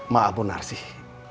maaf pun arsih